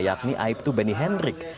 yakni aibtu benny hendrik